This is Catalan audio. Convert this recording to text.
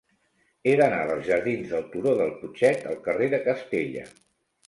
He d'anar dels jardins del Turó del Putxet al carrer de Castella.